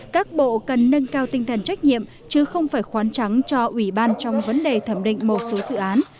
các bộ cần nâng cao tinh thần trách nhiệm chứ không phải khoán trắng cho ủy ban trong vấn đề thẩm định một số dự án